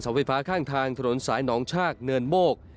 ไฟฟ้าข้างทางถนนสายหนองชากเนินโมก